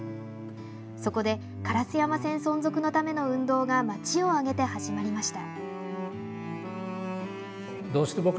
そこで烏山線存続のための運動が町をあげて始まりました。